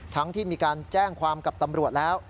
ที่มีการแจ้งความกับตำรวจแล้ว